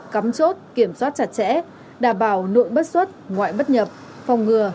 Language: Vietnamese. cắm chốt kiểm soát chặt chẽ đảm bảo nội bất xuất ngoại bất nhập phòng ngừa